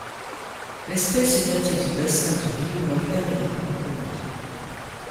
L'espèce est native du bassin du Río Magdalena en Colombie.